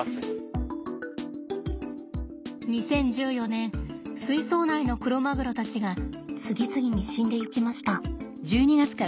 ２０１４年水槽内のクロマグロたちが次々に死んでいきました。